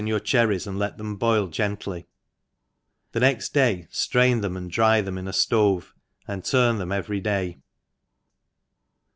241 jrOttT cherries, and let them boil gently, the next day ftrain then), and dry them in a flove, and turn them every day.